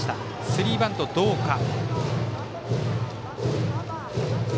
スリーバントどうか。